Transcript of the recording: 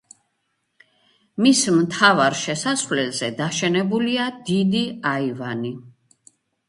მის მთავარ შესასვლელზე დაშენებულია დიდი აივანი.